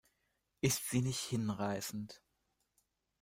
Ist sie nicht hinreißend?